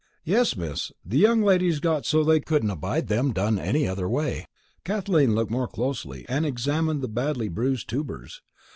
"Yes, miss. The young ladies got so they couldn't abide them done any other way." Kathleen looked more closely, and examined the badly bruised tubers.